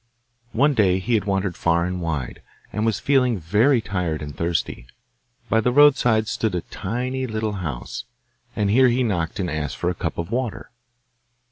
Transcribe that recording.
One day he had wandered far and wide, and was feeling very tired and thirsty. By the roadside stood a tiny little house, and here he knocked and asked for a cup of water.